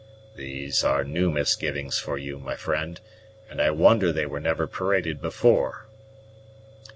"These are new misgivings for you, my friend; and I wonder they were never paraded before."